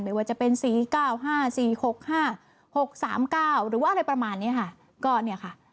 ไม่ว่าจะเป็นสี๙๕๔๖๕๖๓๙หรือว่าอะไรประมาณนี้ค่ะ